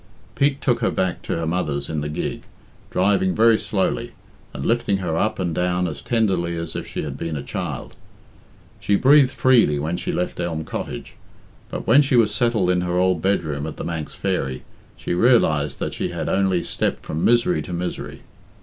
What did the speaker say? Pete took her back to her mother's in the gig, driving very slowly, and lifting her up and down as tenderly as if she had been a child. She breathed freely when she left Elm Cottage, but when she was settled in her own bedroom at "The Manx Fairy" she realised that she had only stepped from misery to misery.